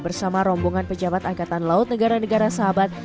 bersama rombongan pejabat angkatan laut negara negara sahabat